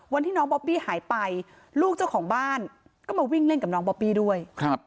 วันที่น้องบอบบี้หายไปลูกเจ้าของบ้านก็มาวิ่งเล่นกับน้องบอบบี้ด้วย